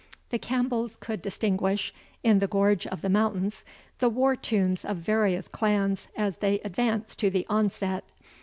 The Campbells could distinguish, in the gorge of the mountains, the war tunes of various clans as they advanced to the onset.